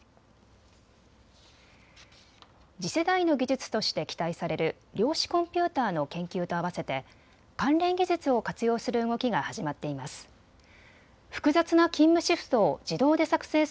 次世代の技術として期待される量子コンピューターの研究とあわせて関連技術を活用する動きが始まっています。